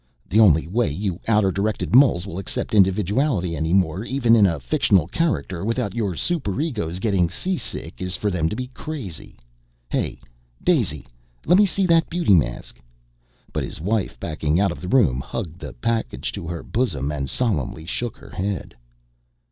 "The only way you outer directed moles will accept individuality any more even in a fictional character, without your superegos getting seasick, is for them to be crazy. Hey, Daisy! Lemme see that beauty mask!" But his wife, backing out of the room, hugged the package to her bosom and solemnly shook her head.